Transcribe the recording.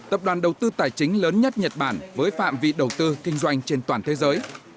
tập đoàn đầu tư tài chính lớn nhất nhật bản với phạm vị đầu tư kinh doanh trên toàn thế giới